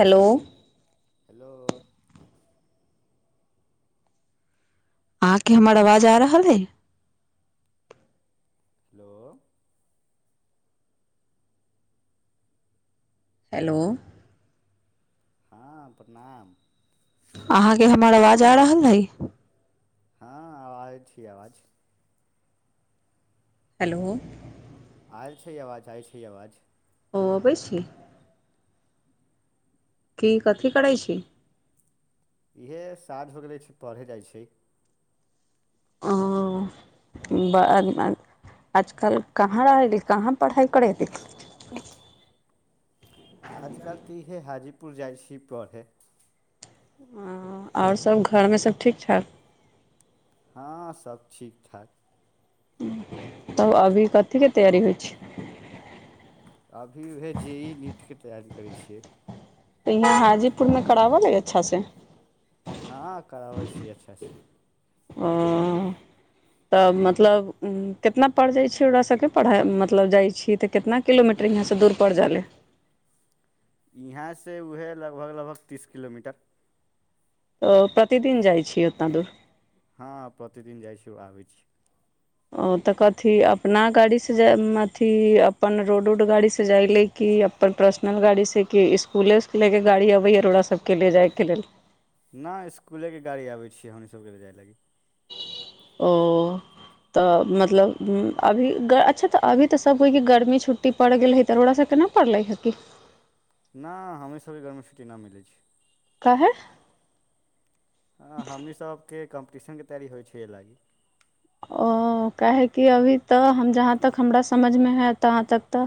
Hello hello अहाँ के हमर आवाज आ रहल अइ हेलो हेलो ह प्रणाम अहाँके हमर आवाज आ रहल अइ हँ आब आय छीय आवाज हेलो आयल छै आवाज आय छै आवाज ओ अबै छी की कथी करै छी इएह साँझ हो गेलै छै पढ़े जाइ छै ओ ब आजकल कहाँ रहै रही कहाँ पढ़ाइ करै छी अजकल तऽ इह हाजी पुर जाइ छी पढे आओर सभ घरमे सभ ठीक ठाक हँ सब ठीकठाक तब अभी कथे तैयारी होइ छै अभी ओएह जे ई नीटके तैयारी करै छियै तऽ यहाँ हाजीपुरमे कराबऽ ल अच्छासँ हँ कराबै छी अच्छा से ओ तऽ मतलब कितना पड़ि जाइ छै ओकरा सभके पढ़ाइ मतलब जाइ छिय तऽ केितना किलोमीटर यहाँसँ दूर पड़ि जाइ लेलए यहाँसँ उएह लगभग लगभग तीस किलोमीटर अ तऽ प्रतिदिन जाइ छीय उतना दूर हँ प्रतिदिन जाइ छीओ आबै छीओ ओ तऽ कथिी अपना गाड़ीसँ जाय अथिी अपन रोड उड गाड़ीसँ जाय लेलए कि अपन पर्सनल गाड़ीसँ कि इसकुलेसँ लए कऽ गाड़ी अबैए ओोकरा सभके लिए जायके लेल नहि इसकुलेके गाड़ी आबै छियै हमनी सभके लऽ जाय लागी ओ तऽ मतलब अभी अच्छा तऽ अभी तऽ सभ होइ कि गर्मी छुट्टी पड़ि गेल है तऽ रोड़ास सभ केना पड़लै हे कि न हमेशाे घरमे छुट्टी न मिलै छै काहे ह हमनी सबके कम्पटिशन के तैयारी होइ छै ए लागी ओ काहेकि अभी तऽ हम जहाँ तक हमरा समझमे है तहाँ तक तऽ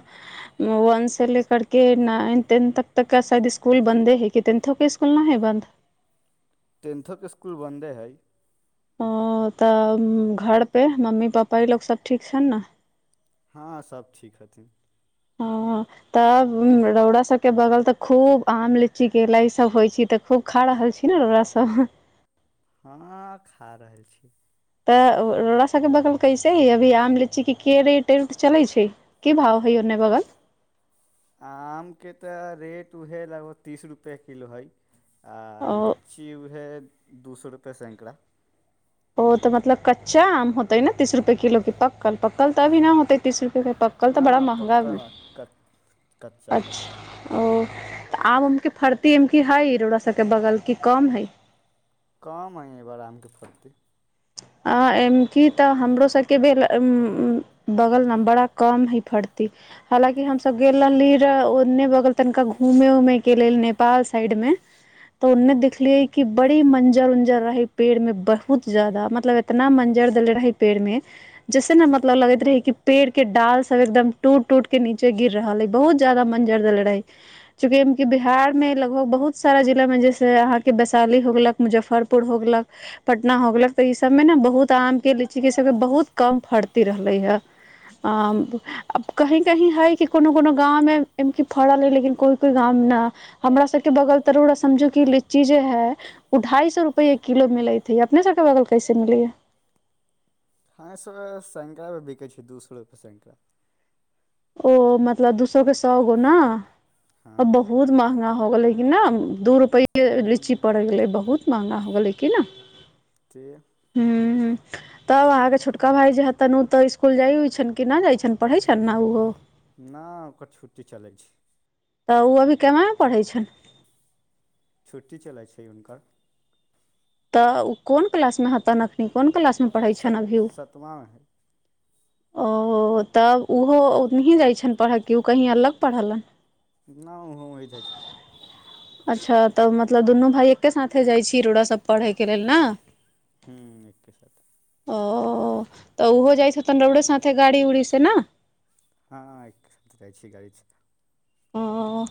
वनसँ ले करकेऽ नाइन टेंथक तकके शायद इसकुल बन्दे हइ कि टेंथोके इसकुल नहि हइ बन्द टेंनथोके इसकुल बन्दे हइ ओ तऽ घर पे मम्मी पपापा ई लोकसभ ठीक छनि ने हँ सभ ठीक हथिन हँ तब रौड़ास सभके बगल तऽ खूब आम लीची केरा ईसभ होइ छै तऽ खूब खा रहल छी ने रौड़ास सभ हँ खा रहल छी तऽ रड़रा सबके बगल कैसे हइ अभी आम लीचीके के रेट उेट चलै छै की भाव हइ ओन्ने बगल आमके तऽ रेट उएहे लगभग तीस रुपए किलो हइ आ ओ लीची उह दू सए रुपैए सैकड़ा ओ तऽ मतलब कच्चा आम होते न ने तीस रुपए किलो क पक्कल पकल तऽभी न होतै तीस रुपे क पकल तऽ बड़ा नहि महँगा पक्का क कच्चा कच्चा अच्छा ओ तऽ आब उम के फर्तीम की हइ रोड़ सबके बगल की कम है कम हइ बरामके फति आ एम की तऽ हमरो सबके भेल बगल न बड़ा कम है फर्ती हलाकि हमस गेल रहली र ओन्ने बगल तनिका घूमे उमे के लेल नेपाल साइड मे तऽ ओन्ने देखलियै क बड़ी मंजर उंजर रहे पेड़ में बहुत जादा मतलब एतना मं्जर देले रहे पेड़ में जैसे ने मतलब लगैत रहे कि पेड़ के डाल सब एकदम टूट टूट के नीचे गिर रहल है बहुत जदा मं्जर देले रहे चूकि बिहार मे लगभग बहुत सारा जिला में जैसे अहाँके वैशाली होग गेलक मुजफ्फरपुर होग गेलक पटना होग गेलक इ सब मे ने बहुत आम के लीची के सबके बहुत कम फड़ती रहले है आम की कहीं है कि कोनो कोनो गां मे की फड़ल है लेकिन कोई कोई गाँव मे न हमरा सबके बगल तरोड़ समझो क लीची जे है उ ढाई सो रुप किलो मिलत हे अपने सबके बगल कैसेम लैए हँ स सङकरामेर बिकै छै दूसरोुप सङकरा ओ मतलब दू सए के सए गो ने आ हँ बहुत महगा हो गेलै कि न दूरप पहिे ह लीची पड़ गेलै बहुत महँगा हो गेलै कि नहि त तब अहाँके छोटका भाई जे हेन उ तऽ स्सकुल जाय उइ छन कि न जाय छनि पढ़ै छनि न उ ओ नहि ओकर छुट्टी चलै छै तऽ ओ अभी केना पढ़ै छनि छुट्टी चलै छै हुनकर तऽ ओ कोन क्लास मे हत एखनी कोन क्लास पढ़ै छ सत अभी सतमामे हइ ओ तब ओहो ओहि जाइ छनि पढ़य कि ओ कहीँ अलग पढ़लन नहि ओहो ओ जाइ छथि अच्छा तऽ मतलब दुनू भाइ एकके साथे जाइ छी रोड़ सब पढ़ैके लेल ने ह एकके साथ ओ तऽ उहो जाइ छ तन र उडे साथे गाड़ी उड़ी से ने हँ एक जाइ छियै गाड़ीसँ ह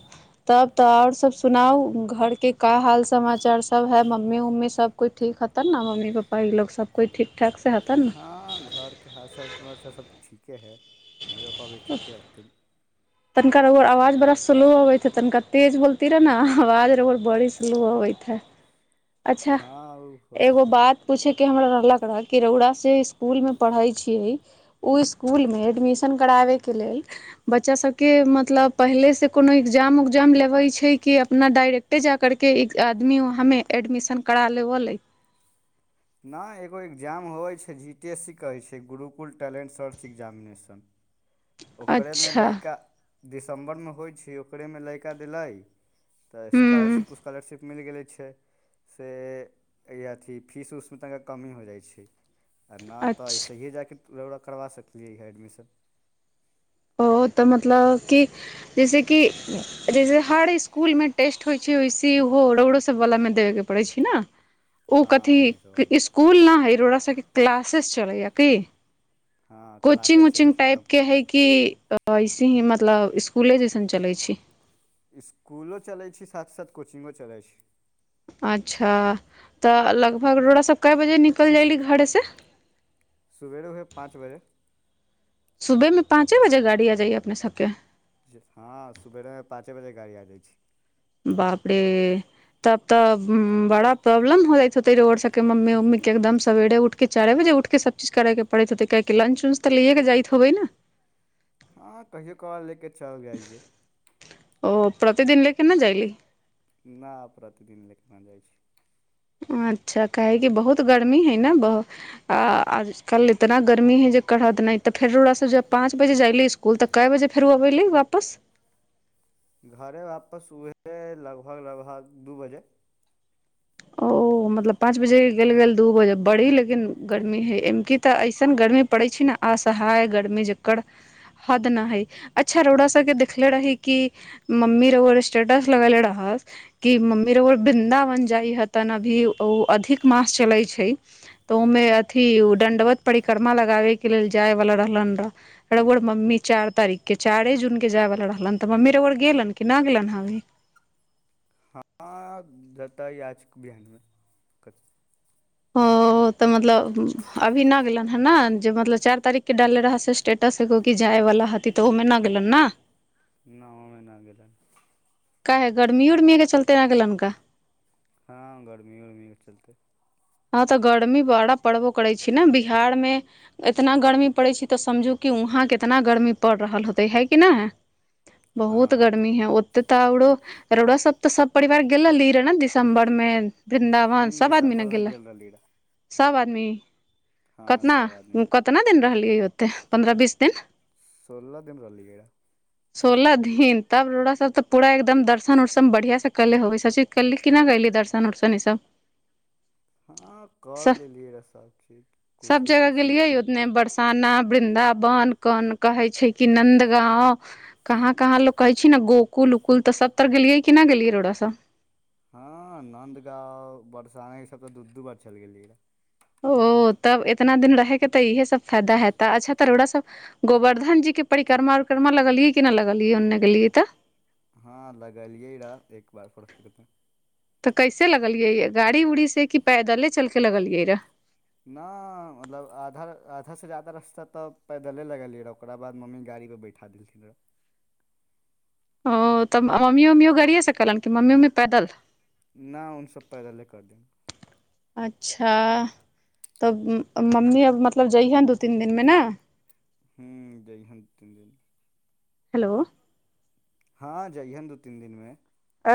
तब तऽ आओर सभ सुनाउ घरके का हाल समाचार सब है मम्मी उम्मी सभकइ ठीक हतन ने मम्मी पप्पा ई लोग सभकइ ठीक ठाक से हतन ने हँ घरके हर सब ठीक के है मइ बाप अभै ठीके हतै तनिका र ओकर आवाज बड़ा स्लो अबैत हइ तनिका तेज बोलती रहै ने आवाज र ओ बड़ी स्लो अबैत है अच्छा हँ ओ हो एगो सकलै बात पूछयके हमरा कहलक रह किरौड़ासँ इसकुलमे पढ़ै छियै ओ इसकुलमे एडमिशन कराबैके लेल बच्चा सबके मतलब पहिलेसँ कोनो एग्जाम उग्जाम लेबै छै कि अपना डाायरेक्टे जा कररके आदमीमे एडमिशन करा लेबलै नहि एगो एग्जाम होइ छै जी टी एस सी कहै छै गुरुकुल टैलेंट सर्च एग्जामिनेशन ओकरे मे अच्छा लैका दिसम्बरमे होइ छै ओकरेमे लइका देलै तऽ हूँ स्कॉालरशिप स्कॉालरशिप मिल गेलै छै से अथी फीस उसमे तनिक कमी हो जाइ छै आर ना तऽ अच्छा ऐसे ही जााक ओरा करबा सकलियै हँ एडमिशन ओ तऽ मतलब कि जैसेकि जैसे हर इसकुलमे टेस्ट होइ छै वैसे ओहो रगड़ोसभवलामे देबयके पड़ै छै ने ओ हँ कथी हमनीसभ स्कूल न है रोड़ा सबके क्लास अशेस चलैय किी हँ क्लासे कोचिंग चलै उचिंग छै कम टाइपके है ऐसे ही मतलब इसकुले जैसन चलै छै इसकुलो चलै छी साथ साथ कोचिंगो चलै छी अच्छा तऽ लगभग रोराास सभ कए बजे निकलि जयली घरेसँ सुवेरे उए पाँच बजे सुबहमे पाँचे बजे गाड़ी आ जाइया अपने सबके हँ सुबेरे पाँचे बजे गाड़ी आ जाइ छी बाप रे तब तऽ बड़ा प्रॉब्लम हो जाइत होतै रोड सभके मम्मी उम्मीके एकदम सवेरे उठि कऽ चारि बजे उठि कऽ सभचीज करयके पड़ैत होतै किाहकि लंच उच तऽ लिए कऽ जाइत होबै ने हँ कहियो कहल लके ओ प्रतिदिनल ना जाइली न प्रतिदिन ले केना जाइ छै अच्छा कहै कि बहुत गर्मी हइ ने बहु आ आजकल इतना गर्मी हइ जे कढ़त नहि तऽ फेर ओोड़ास जब पाँच बजे जायली इसकुल तऽ कए बजे फेरो अ अयली वापस घर ह वापस सुबह लगभग लगभग दू बजे ओ मतलब पांच बजे के गेल गेल दू बजे बड़ी लेकिन गर्मी हे एमकी तऽ ऐसन गर्मी पड़े छै ने असहाय गर्मी जेकर हद न हई अच्छा रोडा सबके देखले रही क मम्मी रर स्टेटस लगेले रह कि मम्मी रर वृंन्दावन जाइ ह तन अभी ओ अधिक मास चलै छै तऽ ओहिमे अथी दंडवत परिक्रमा लगाबे के लेल जायवलाा रहल रह रुर मम्मी चारि तारीख के चारे जून के जाय वाला रहलनि तऽ मम्मी रर गेलन कि नहि गेलन ह अभी हाँ जाता आजके बिहान मे क ओ तऽ मतलब अभी नहि गेलनि हे ने जे मतलब चारि तारीखके डालले रह से स्टेटस एगो कि जायवला हती तऽ ओहिमे नहि गेलनि ने न ओमे नहि गेलर क है गरमी उरमीग चलते नहि गेललननका हँ गर्मी उर्मीे चलतै हँ तऽ गर्मी बड़ा पड़बो करैत छी ने बिहारमे इतना गर्मी पड़ैत छै तऽ समझू कि वहाँ केतना गर्मी पड़ि रहल होते हइ कि नहि बहुत हँ गर्मी है ओ त तऽ आो रो सब तऽ सब परिवार गेली रह ने दिसम्बर मे बृन्दावन ह सब आदमी ने दिसम्बरमे गेलै गेल रहली रह सब आदमी हँ कतना सभ आदमी गेल कतना दिन रहलै होतै पन्द्रह बीस दिन सोलह दिन रली जेा सोलह दिन तब रोरास सभ तऽ पूरा एकदम दर्शन उर्शन बढ़िआँसँ कले होै सबचीज कली केना कली दर्शन उर्शन ईसभ हँ कर लेलियै रहए सभचीज सब किछो जगह चीज छूटि गेलै रहए बन कन कहै छै कि नन्दगाँंव कहाँ कहाँ लोकोग कहै छै ने गकुल उकुल तऽ सबतर गेलियै कि नहि गेलियै रोडसँ हँ नन्दगाव बरसाना ईसभ तऽ दू दू बेर चलि गेलियै रह ओ तब इतना दिन रहयके तऽ इएहे सभ फायदा हेत अच्छा त र‌उड़ा सभ गोवर्धन जीके परिक्रमा उिक्रमा लगलियै कि नहि लगलियै ओन्ने गेलियै तऽ हँ लगलियै रह‌ए एक बार फेड़ा तऽ कैसे लगलियै य गाड़ी ऊड़ी से किपैदले चलके लगलियै रह न मतलब आधा आधा से जा्यदा रास्ता तऽ पैदले लगलियै रह ओकरा बाद मम्मी गाड़ी परे बैठा देलथिन रह ओ तऽ मम्मी उम्मियो गड़ए सकलनि कि मम्मी उम्मी पैदल न उ सभ पैदल ले कर दे अच्छा तब मम्मी अब मतलब जइह ने दू तीन दिनमे ने हू जइ हन तीन दिन हेलो हँ जइहेन दू तीन दिनमे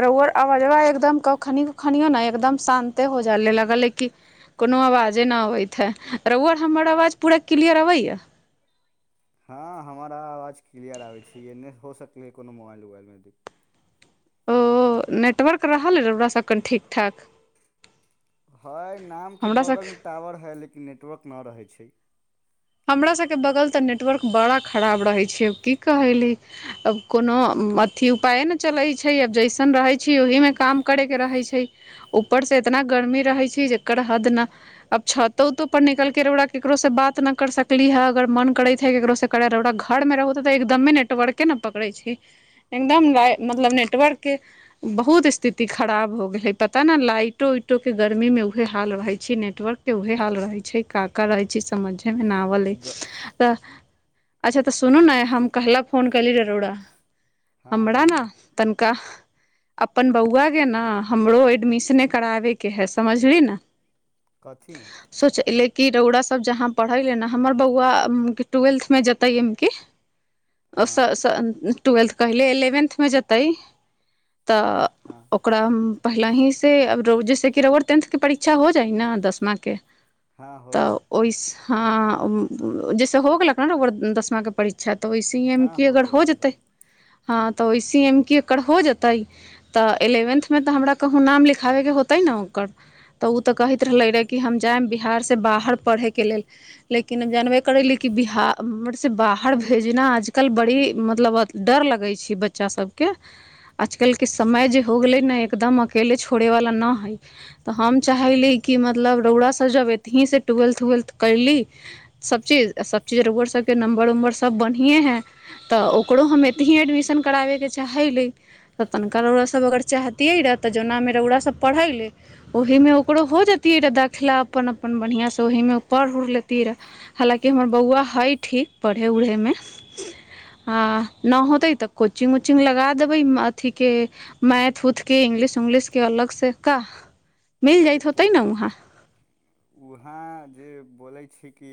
रोआर आवाज एकदमखखिनो ने एकदम शान्ते हो जाइे लागलै कि कोनो आवाजे नहि अबैत है र‌उरा हमर आवाज पूरा क्लियर अबैय हँ हमराा आवाज क्लियर आबै छै ए नहि हो सकलै कोनो मोबाइल उबाइलमे दिक ओ नेटवर्क रहलै रह ओकरास सभ कनि ठीक ठाक हय नाम के हमरा बगल सब मे टावर हय लेकिन नेटवर्क ना रहै छै हमरा सबके बगल तऽ नेटवर्क बड़ा खराब रहैत छै की कहैली अब कोनो अथिी उपाय ने चलैत छै अब जैसन रहै छै ओहिमे काम करे के रहैत छै ऊपर से इतना गर्मी रहैत छै जकर हद न अब छतो उतो पर निकलके रौकरा केकरोसँ बात न पकड़ सकली हे अगर मन करैत हे केकरो से कर रह घर मे रहू त त एकदमे नेटवर्के ने पकड़े छै एकदम मतलब नेटवर्क के बहुत स्थिति खराब हो गेल हे पता ने लाइटो उइटो के गर्मी मे उहे हाल रहै छै नेटवर्क के उहे हाल रहे छै काका रहे छै समझ न बी ग तऽ अच्छा तऽ सुनू ने हम कहला फोन कली र‌उड़ा हँ हमरा बोलू ने तनिका अपन बौआ क ने हमरो एडमिशने कराबेके हय समझली ने कथीमे सोच इल कि रौड़ा सब जहाँ पढ़ै ले ने हमर बौआ ट्वेल्थमे जेतै अबकीकि ओ हँ ट्वेल्थ कहले एलेवेन्थ मे जेतै तऽ हँ ओकरा पहिल ही सेब जैसे कि रर टेंथ के परीक्षा हो जाइ न दसमा के हँ हो जाइ तऽ ओहि हँ जैसे हो गेलक ह ओकर दसमाके परीक्षाऽ तऽ वैसे ही एम हँ कि अगर हो गेलै जेतै गेलै। हँ तऽ वइसे एमकी एकर हो जेतै तऽ एलेवेन्थ मे तऽ हमरा कहूँ नाम लिखाबै के होतै न ओकर तऽ उ तऽ कहैत रहले रहै कि हम जायब बिहार से बाहर पढ़ैके लेल लेकिन अब जानबे करैली कि बिहार से बाहर भेजना आजकल बड़ी मतलब डर लगै छै बच्चा सबके आजकलके समय जे हो गेलै ने एकदम अकेले छोड़ैवला न हइ तऽ हम चाहैली कि मतलब रौड़ा सब जब एतहिसँ ट्वेल्थ उवेल्थ कयली सभचीज आ सभचीज रौआ सभके नम्बर उम्बर सभ बढ़िएँ हइ तऽ ओकरो हम एतही एडमिशन कराबैके चाहैली तऽ तनिका रौड़ा सभ अगर चाहतियै रेह तऽ जौना मे रौड़ा सभ पढ़ैले ओहीमे ओकरो हो जतियै रहए देखला अपन अपन बढ़िआँसँ ओहीमे पढ़ उढ़ लेतिये रहै हालाँकि हमर बौआ हइ ठीक पढ़ै उढ़ैमे आ न होतै तऽ कोचिंग उचिंग लगा देबै अथीके मैथ उथके इंग्लिश उंग्लिश के अलग से का मिल जाइत देखू होतै ने वहाँ उहाँ जे बोलै छी कि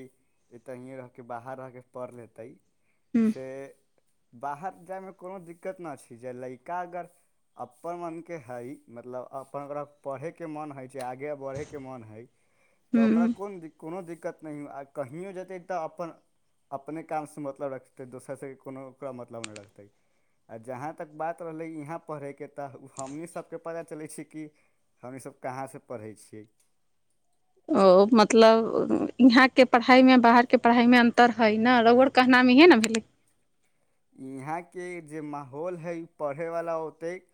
एतहिये रह के बाहर रह के पढ़ लेतै ह्म्म से बाहर जाइमे कोनो दिक्कत न छै जय लइका अगर अपन मनके हइ मतलब अपन ओकरा पड़हे के के मन होइ छै आगे बरहैे के मन हइ तऽ ह्म्म ओकरा कोन दि कोनो दि दिक्कत नहियो आ कहिओ जेतै तऽ अपन अपने कामसँ मतलब रखतै दोसर सँ कोनो ओकरा मतलब नइ रहतै आ जहाँ तक बात रहलै इहाँ पढ़ैके तऽ हमनी सबके पता चलै छै कि हम ई सब कहाँ से पढ़ै छियै ओ मतलब यहाँ के पढ़ाइ मे बाहरके पढ़ाइ मे अन्तर हइ न रौअर कहनाम इहे न भेलै यहाँ केऽ जे माहौल हइ पढ़यवला ओतेक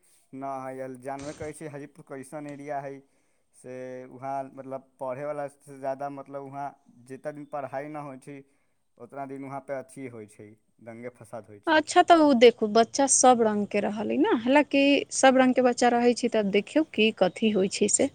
न हइ जानबे करै छियै हजीपुर कैइसन एरिया हइ से वहाँ मतलब पढ़यवला सँ ज्यादा मतलब वहाँ जितना दिन पढ़ाइ न होइ छै उतना दिन वहाँ पर अथिये होइ छै दंगे फसाद होइ छै अच्छा तऽ उऽ देखू बच्चा सब रंग के रहअ लै न हला कि सभ रंग के बच्चा रहै छै तऽ देखियौ की कथी होइ छै से